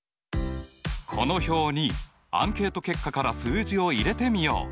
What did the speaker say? この表にアンケート結果から数字を入れてみよう。